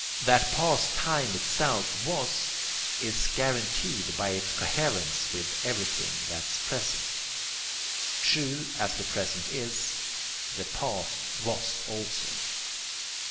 That past time itself was, is guaranteed by its coherence with everything that's present. True as the present is, the past was also.